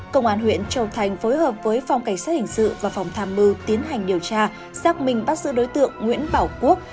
công an huyện châu thành phối hợp với phòng cảnh sát hình sự và phòng tham mưu tiến hành điều tra xác minh bắt giữ đối tượng nguyễn bảo quốc